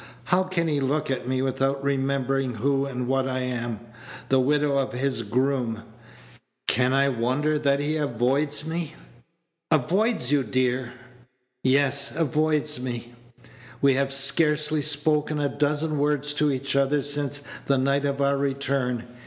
How can he look at me without remembering who and what I am? The widow of his groom! Can I wonder that he avoids me?" "Avoids you, dear!" "Yes, avoids me. We have scarcely spoken a dozen words to each other since the night of our return.